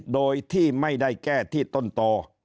โดยที่ไม่ได้แก้ที่ต้นต่อ